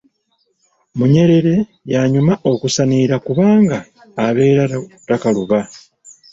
Munyerere y’anyuma okusanirira kubanga abeera takaluba.